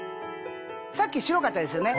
さっき白かったですよね。